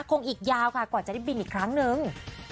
อีกยาวค่ะกว่าจะได้บินอีกครั้งนึง